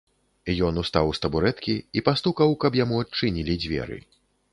Ён устаў з табурэткі і пастукаў, каб яму адчынілі дзверы.